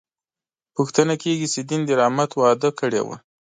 پوښتنه کېږي چې دین د رحمت وعده کړې وه.